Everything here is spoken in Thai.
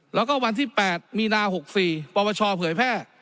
แล้วก็วันที่แปดมีนาหกสี่ประวัติศาสตร์เผยแพร่